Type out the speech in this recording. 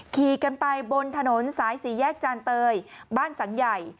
ขี่กันไปบนถนนสายสี่แยกจานเตยบ้านสังใหญ่